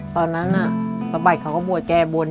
ตอนนั้นสะบัดเขาก็บวชแก่บน